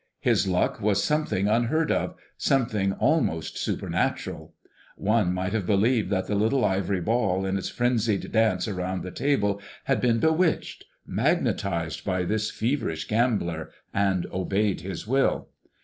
His luck was something unheard of, something almost supernatural. One might have believed that the little ivory ball, in its frenzied dance around the table, had been bewitched, magnetized by this feverish gambler, and obeyed his will.